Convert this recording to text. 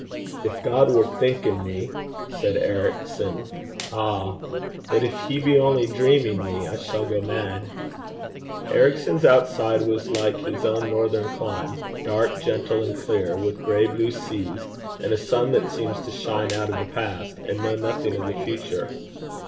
'If God were thinking me,' said Ericson, 'ah! But if he be only dreaming me, I shall go mad.' Ericson's outside was like his own northern clime dark, gentle, and clear, with gray blue seas, and a sun that seems to shine out of the past, and know nothing of the future.